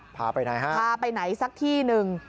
พาไปไหนฮะพาไปไหนสักที่หนึ่ง